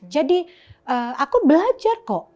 aku belajar kok